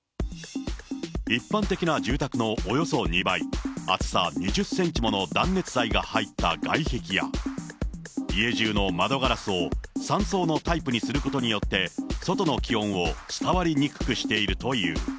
一般的な住宅のおよそ２倍、厚さ２０センチもの断熱材が入った外壁や、家中の窓ガラスを３層のタイプにすることによって、外の気温を伝わりにくくしているという。